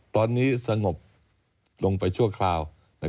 ตอนนี้สงบลงไปชั่วคราว